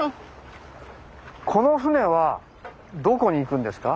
この舟はどこに行くんですか？